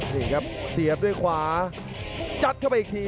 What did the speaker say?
นี่ครับเสียบด้วยขวาจัดเข้าไปอีกที